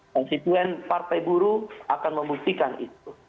dan situen partai buru akan membuktikan itu